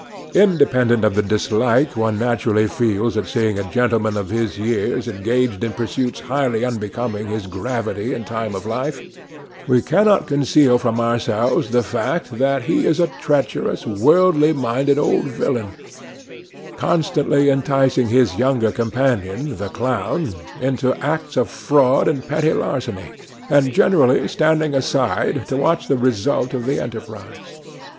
Independent of the dislike one naturally feels at seeing a gentleman of his years engaged in pursuits highly unbecoming his gravity and time of life, we cannot conceal from ourselves the fact that he is a treacherous, worldly minded old villain, constantly enticing his younger companion, the clown, into acts of fraud or petty larceny, and generally standing aside to watch the result of the enterprise.